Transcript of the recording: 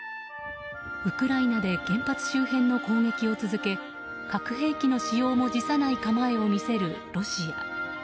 ウクライナで原発周辺の攻撃を続け核兵器の使用も辞さない構えを見せるロシア。